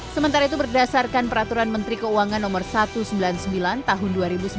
sementara itu berdasarkan peraturan menteri keuangan no satu ratus sembilan puluh sembilan tahun dua ribu sembilan belas